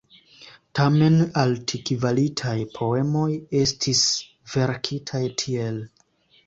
Tamen altkvalitaj poemoj estis verkitaj tiel.